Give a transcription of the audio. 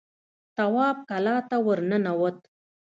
تواب کلا ته ور ننوت.